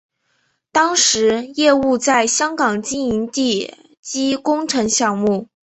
当时业务在香港经营地基工程项目。